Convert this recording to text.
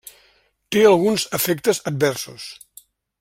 Té alguns efectes adversos.